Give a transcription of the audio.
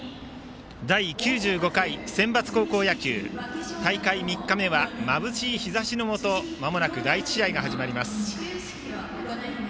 第９５回センバツ高校野球大会３日目はまぶしい日ざしのもとまもなく第１試合が始まります。